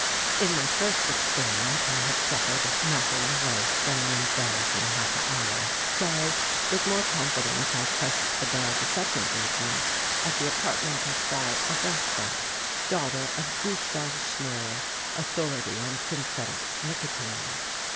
~4~ In my first experience I had suffered nothing worse than an embarrassing half hour, so, with more confidence I pressed the bell the second evening, at the apartment of Frau Augusta, daughter of Gustave Schnorr, Authority on Synthetic Nicotine.